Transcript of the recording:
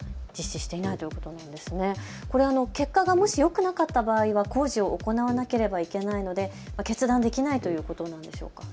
これ、結果がよくなかったら工事も行わなければならないので決断ができないということでしょうか。